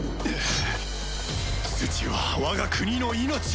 土は我が国の命。